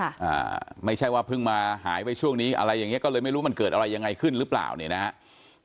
อ่าไม่ใช่ว่าเพิ่งมาหายไปช่วงนี้อะไรอย่างเงี้ก็เลยไม่รู้มันเกิดอะไรยังไงขึ้นหรือเปล่าเนี่ยนะฮะ